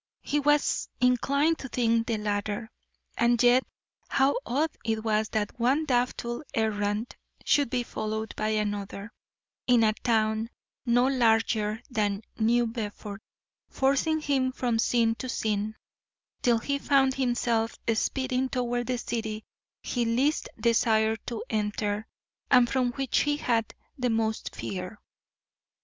He was inclined to think the latter. And yet how odd it was that one doubtful errand should be followed by another, in a town no larger than New Bedford, forcing him from scene to scene, till he found himself speeding toward the city he least desired to enter, and from which he had the most to fear!